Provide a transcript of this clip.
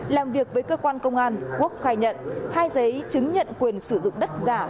làm việc với cơ quan công an quốc khai nhận hai giấy chứng nhận quyền sử dụng đất giả